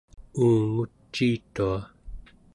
uunguciitua